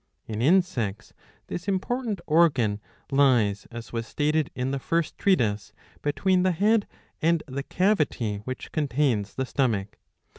In Insects this important organ lies, as was stated in the first treatise,®^ between the head and the cavity which contains the stomach.